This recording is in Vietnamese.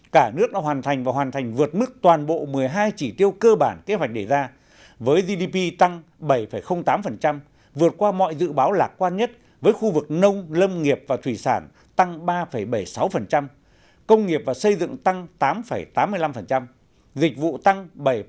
cả nước đã hoàn thành và hoàn thành vượt mức toàn bộ một mươi hai chỉ tiêu cơ bản kế hoạch đề ra với gdp tăng bảy tám vượt qua mọi dự báo lạc quan nhất với khu vực nông lâm nghiệp và thủy sản tăng ba bảy mươi sáu công nghiệp và xây dựng tăng tám tám mươi năm dịch vụ tăng bảy tám